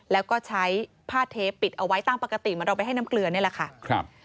แล้วก็ใช้ผ้าเทปิดเอาไว้ตามปกติเหมือนเราไปให้น้ำเกลือนี่แหละค่ะครับ